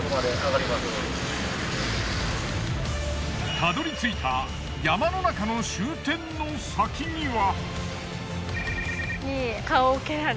たどり着いた山の中の終点の先には。